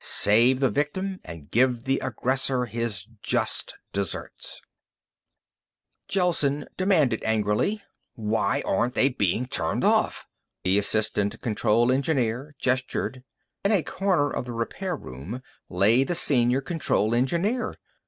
Save the victim and give the aggressor his just desserts. Gelsen demanded angrily, "Why aren't they being turned off?" The assistant control engineer gestured. In a corner of the repair room lay the senior control engineer.